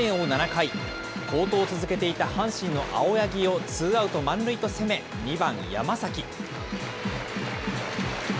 ７回、好投を続けていた阪神の青柳をツーアウト満塁と攻め、２番山崎。